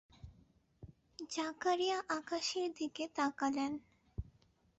জাকারিয়া আকাশের দিকে তাকালেন।